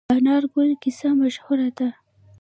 د انار ګل کیسه مشهوره ده.